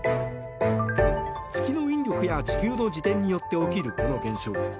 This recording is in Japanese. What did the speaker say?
月の引力や地球の自転によって起きるこの現象。